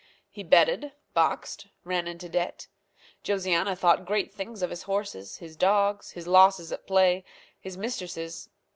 He betted, boxed, ran into debt. Josiana thought great things of his horses, his dogs, his losses at play, his mistresses.